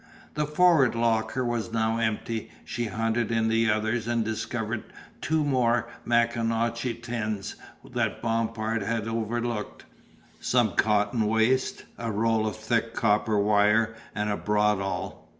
The forward locker was now empty, she hunted in the others and discovered two more Maconochie tins that Bompard had overlooked, some cotton waste, a roll of thick copper wire and a bradawl.